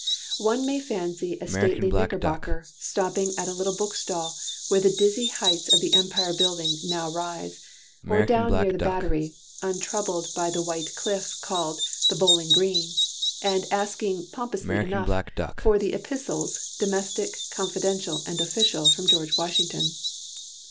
One may fancy a stately Knickerbocker stopping at a little bookstall where the dizzy heights of the Empire Building now rise, or down near the Battery, untroubled by the white cliff called "The Bowling Green," and asking pompously enough, for the Epistles; Domestic, Confidential, and Official, from General Washington.